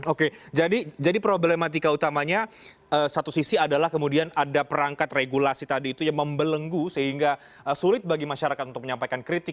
oke jadi problematika utamanya satu sisi adalah kemudian ada perangkat regulasi tadi itu yang membelenggu sehingga sulit bagi masyarakat untuk menyampaikan kritik